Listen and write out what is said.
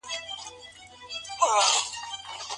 منځګړي څنګه کيدلای سي ايجاد سوي ستونزي وڅېړي؟